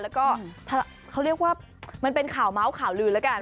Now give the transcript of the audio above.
แล้วก็เขาเรียกว่ามันเป็นข่าวเมาส์ข่าวลือแล้วกัน